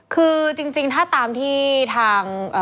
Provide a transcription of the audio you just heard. คือจริงถ้าตามที่ทาง